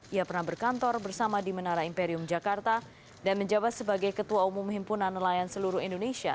ia pernah berkantor bersama di menara imperium jakarta dan menjabat sebagai ketua umum himpunan nelayan seluruh indonesia